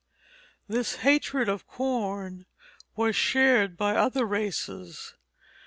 This hatred of corn was shared by other races.